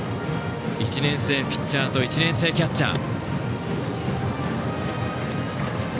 １年生ピッチャーと１年生キャッチャー。